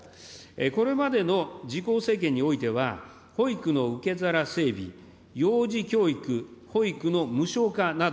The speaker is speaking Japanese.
これまでの自公政権においては、保育の受け皿整備、幼児教育・保育の無償化など、